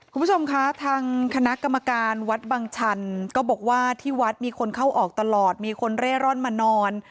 คุณผู้ชมคะทางคณะกรรมการวัดบังชันก็บอกว่าที่วัดมีคนเข้าออกตลอดมีคนเร่ร่อนมานอน